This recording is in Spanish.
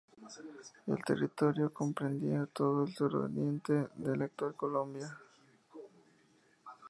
El territorio comprendía todo el suroriente de la actual Colombia.